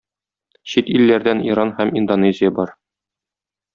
Чит илләрдән Иран һәм Индонезия бар.